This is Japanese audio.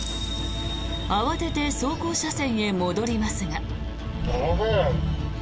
慌てて走行車線へ戻りますが。